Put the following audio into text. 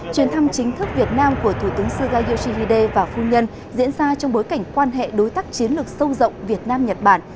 chuyến thăm chính thức việt nam của thủ tướng suga yoshihide và phu nhân diễn ra trong bối cảnh quan hệ đối tác chiến lược sâu rộng việt nam nhật bản